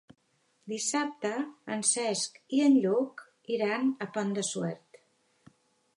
Dissabte en Cesc i en Lluc iran al Pont de Suert.